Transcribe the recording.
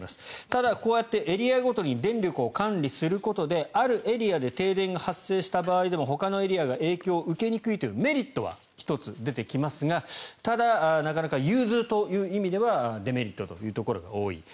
ただ、こうやってエリアごとに電力を管理することであるエリアで停電が発生した場合でもほかのエリアが影響を受けにくいというメリットは１つ出てきますがただ、なかなか融通という意味ではデメリットというところが多い。